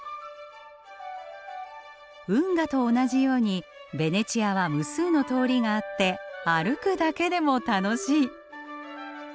運河と同じようにベネチアは無数の通りがあって歩くだけでも楽しい。